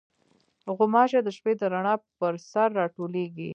غوماشې د شپې د رڼا پر سر راټولېږي.